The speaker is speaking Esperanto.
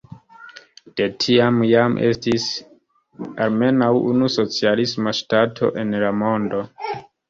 De tiam jam estis almenaŭ unu socialisma ŝtato en la mondo.